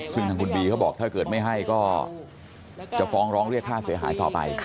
ซึ่งทางคุณบีเขาบอกถ้าเกิดไม่ให้ก็จะฟ้องร้องเรียกค่าเสียหายต่อไป